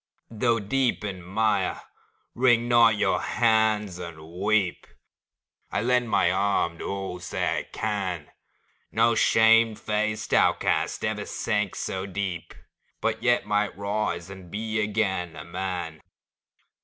Though deep in mire, wring not your hands and weep; I lend my arm to all who say "I can!" No shame faced outcast ever sank so deep, But yet might rise and be again a man